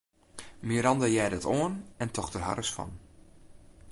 Miranda hearde it oan en tocht der harres fan.